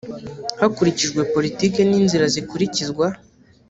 hakurikijwe politiki n inzira zikurikizwa